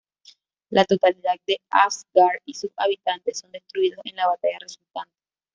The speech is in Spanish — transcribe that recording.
La totalidad de Asgard y sus habitantes son destruidos en la batalla resultante.